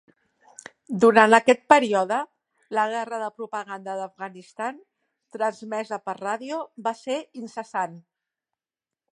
Durant aquest període, la guerra de propaganda d'Afganistan, transmesa per ràdio, va ser incessant.